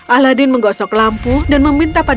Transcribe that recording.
aladin menggosok lampu dan meminta pada